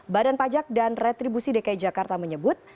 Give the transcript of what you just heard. badan pajak dan retribusi dki jakarta menyebut